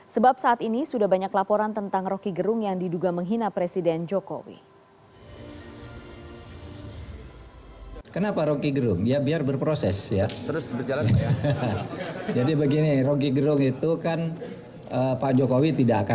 sebab saat ini sudah banyak laporan tentang roky gerung yang diduga menghina presiden jokowi